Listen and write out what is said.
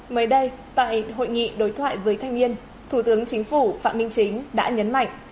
mới đây tại hội nghị đối thoại với thanh niên thủ tướng chính phủ phạm minh chính đã nhấn mạnh